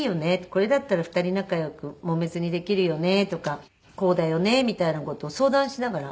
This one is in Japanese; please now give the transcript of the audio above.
これだったら２人仲良くもめずにできるよねとかこうだよねみたいな事を相談しながら。